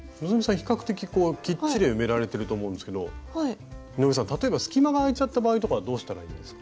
比較的こうきっちり埋められてると思うんですけど井上さん例えば隙間が空いちゃった場合とかどうしたらいいんですか？